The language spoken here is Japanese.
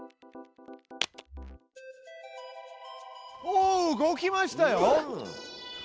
おお動きましたよ！